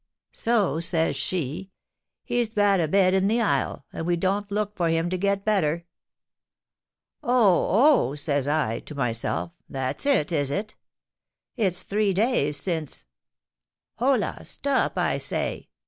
So says she,'He's bad a bed in the isle, and we don't look for him to get better!' 'Oh, oh!' says I to myself,'that's it, is it? It's three days since ' Holla! stop, I say!"